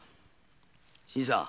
新さん。